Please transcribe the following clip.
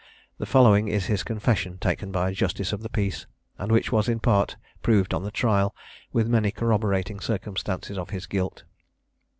The following is his confession, taken by a justice of the peace, and which was, in part, proved on the trial, with many corroborating circumstances of his guilt.